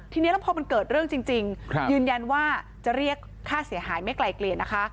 ทีนี้แล้วพอมันเกิดเรื่องจริงยืนยันว่าจะเรียกค่าเสียหายไม่ไกลเกลี่ยนะคะ